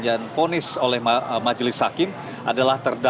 yang pertama akan menjalani sidang dengan agenda perubahan